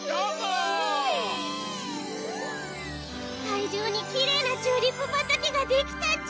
いじょうにきれいなチューリップばたけができたち！